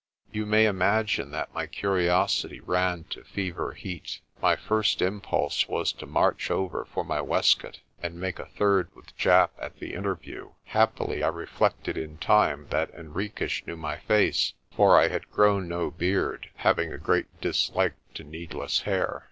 You may imagine that my curiosity ran to fever heat. My first impulse was to march over for my waistcoat, and make a third with Japp at the interview. Happily I re flected in time that Henriques knew my face, for I had grown no beard, having a great dislike to needless hair.